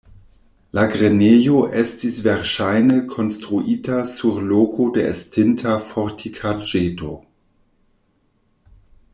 La grenejo estis verŝajne konstruita sur loko de estinta fortikaĵeto.